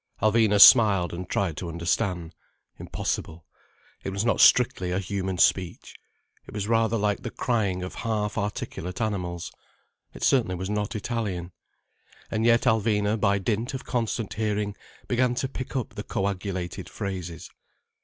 Alvina smiled and tried to understand. Impossible. It was not strictly a human speech. It was rather like the crying of half articulate animals. It certainly was not Italian. And yet Alvina by dint of constant hearing began to pick up the coagulated phrases.